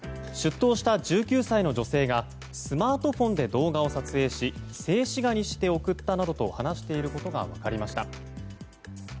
出頭した１９歳の女性がスマートフォンで動画を撮影し静止画にして送ったなどと話していることが分かりました。